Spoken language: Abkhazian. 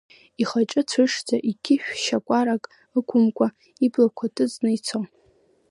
Ихаҿы цәышӡа, иқьышә шьакәарак ықәымкәа, иблақәа ҭыҵны ицо.